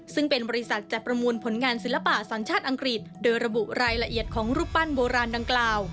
ซึ่งเป็นบริษัทจัดประมูลผลงานศิลปะสัญชาติอังกฤษโดยระบุรายละเอียดของรูปปั้นโบราณดังกล่าว